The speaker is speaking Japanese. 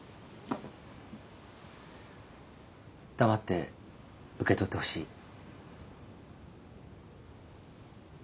・黙って受け取ってほしい。